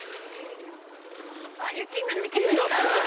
あっ雪になってきました。